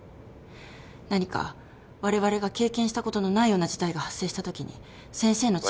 何かわれわれが経験したことのないような事態が発生したときに先生の知見が。